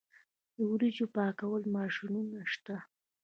د وریجو پاکولو ماشینونه شته